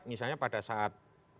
misalnya pada saat